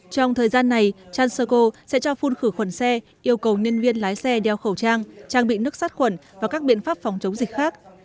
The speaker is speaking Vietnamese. trong thời gian này transurco sẽ cho phun khử khuẩn xe yêu cầu nhân viên lái xe đeo khẩu trang trang bị nước sát khuẩn và các biện pháp phòng chống dịch khác